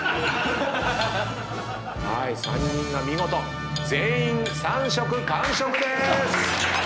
はい３人が見事全員３食完食でーす！